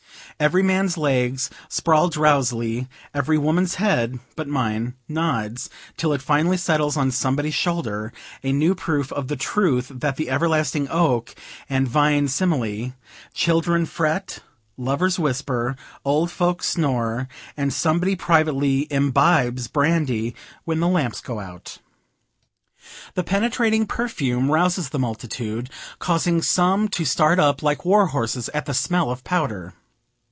Every man's legs sprawl drowsily, every woman's head (but mine,) nods, till it finally settles on somebody's shoulder, a new proof of the truth of the everlasting oak and vine simile; children fret; lovers whisper; old folks snore, and somebody privately imbibes brandy, when the lamps go out. The penetrating perfume rouses the multitude, causing some to start up, like war horses at the smell of powder.